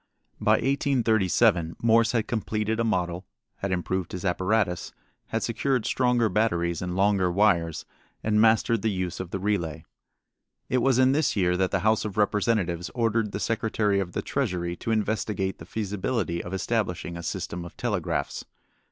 By 1837 Morse had completed a model, had improved his apparatus, had secured stronger batteries and longer wires, and mastered the use of the relay. It was in this year that the House of Representatives ordered the Secretary of the Treasury to investigate the feasibility of establishing a system of telegraphs.